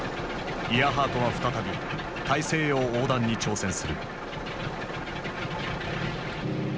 イアハートは再び大西洋横断に挑戦する。